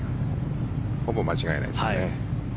ほぼ間違いないですね。